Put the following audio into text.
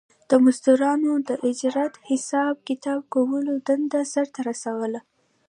د مزدورانو د اجرت حساب کتاب کولو دنده سر ته رسوله